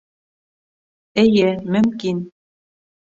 Эйе, мөмкин